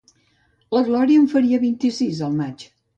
La Glòria en faria vint-i-sis al maig.